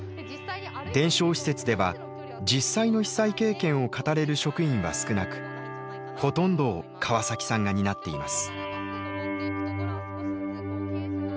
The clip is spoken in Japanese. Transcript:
伝承施設では実際の被災経験を語れる職員は少なくほとんどを川崎さんが担っています。